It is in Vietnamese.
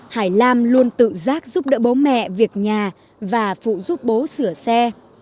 hải lam luôn tự giác giúp đỡ bố mẹ việc nhà và phụ giúp bố sửa xe